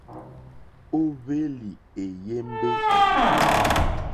Ó hwélì èyémbé.